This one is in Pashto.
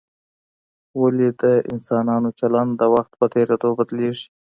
ولي د انسانانو چلند د وخت په تېرېدو بدلیږي؟